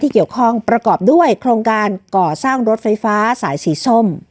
เกี่ยวข้องประกอบด้วยโครงการก่อสร้างรถไฟฟ้าสายสีส้ม